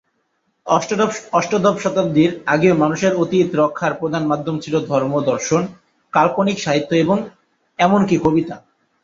অষ্টাদশ শতাব্দীর আগেও মানুষের অতীত রক্ষার প্রধান মাধ্যম ছিল ধর্ম, দর্শন, কাল্পনিক সাহিত্য এবং এমনকি কবিতা।